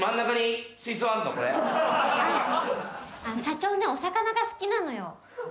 ああ社長ねお魚が好きなのよ。